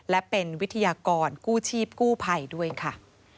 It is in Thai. และเป็นวิทยากรกู้ชีพกู้ภัยด้วยค่ะ